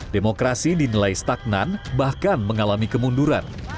demokrasi dinilai stagnan bahkan mengalami kemunduran